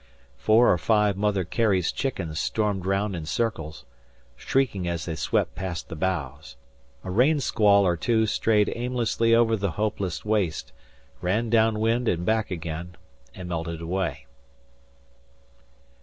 Four or five Mother Carey's chickens stormed round in circles, shrieking as they swept past the bows. A rain squall or two strayed aimlessly over the hopeless waste, ran down 'wind and back again, and melted away.